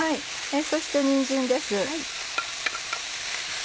そしてにんじんです。